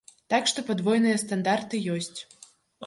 Так што падвойныя стандарты ёсць.